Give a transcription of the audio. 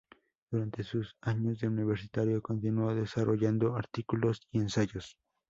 Durante sus años de universitario continuó desarrollando artículos y ensayos.